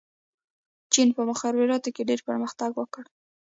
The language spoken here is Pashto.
چین په مخابراتو کې ډېر پرمختګ وکړ.